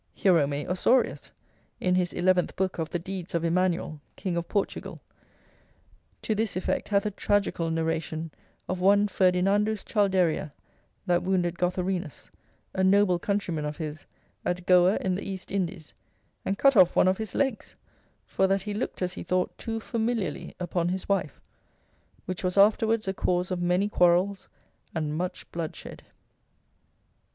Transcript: Hierome Osorius, in his eleventh book of the deeds of Emanuel King of Portugal, to this effect hath a tragical narration of one Ferdinandus Chalderia, that wounded Gotherinus, a noble countryman of his, at Goa in the East Indies, and cut off one of his legs, for that he looked as he thought too familiarly upon his wife, which was afterwards a cause of many quarrels, and much bloodshed.